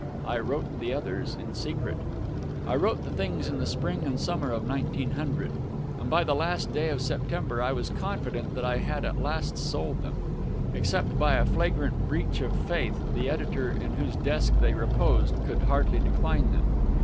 I wrote the others in secret. I wrote the things in the spring and summer of 1900; and by the last day of September I was confident that I had at last sold them. Except by a flagrant breach of faith, the editor in whose desk they reposed could hardly decline them.